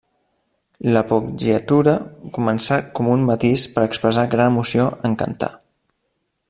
L'appoggiatura començar com un matís per expressar gran emoció en cantar.